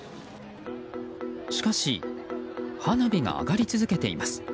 しかし花火が上がり続けています。